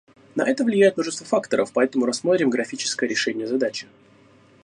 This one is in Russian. На это влияет множество факторов, поэтому рассмотрим графическое решение задачи